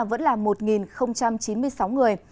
vẫn là một chín mươi sáu người